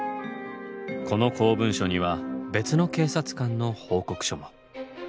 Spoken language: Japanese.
この公文書には別の警察官の報告書も。